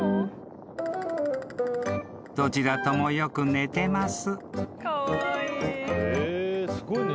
［どちらともよく寝てます］